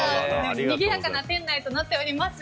にぎやかな店内となっております。